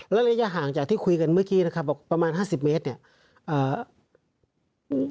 และระยะห่างจากที่คุยกันเมื่อกี้นะคะบอกประมาณ๕๐เมตร